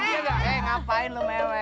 itu dia gak kayak ngapain lu mewek